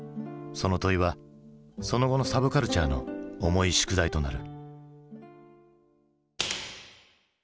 その問いはその後のサブカルチャーの重い宿題となる。